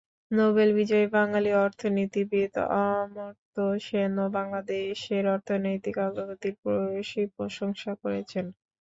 Nobel বিজয়ী বাঙালি অর্থনীতিবিদ অমর্ত্য সেনও বাংলাদেশের অর্থনৈতিক অগ্রগতির ভূয়সী প্রশংসা করেছেন।